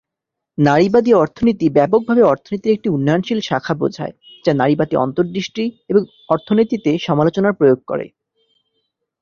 নারীবাদী অর্থনীতি ব্যাপকভাবে অর্থনীতির একটি উন্নয়নশীল শাখা বোঝায় যা নারীবাদী অন্তর্দৃষ্টি এবং অর্থনীতিতে সমালোচনার প্রয়োগ করে।